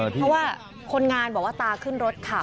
เพราะว่าคนงานบอกว่าตาขึ้นรถค่ะ